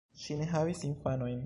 Ŝi ne havis infanojn.